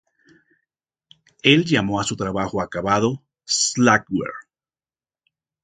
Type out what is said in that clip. Él llamó a su trabajo acabado Slackware.